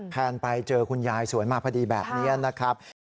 แนนไปเจอคุณยายสวยมาพอดีแบบนี้นะครับ